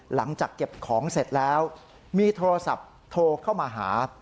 หลังจากเก็บของเสร็จแล้วมีโทรศัพท์โทรเข้ามาหา